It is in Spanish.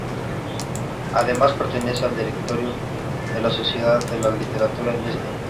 Además pertenece al directorio de la Sociedad de Literatura en St.